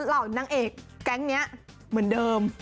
นางเอกแก๊งนี้เหมือนเดิม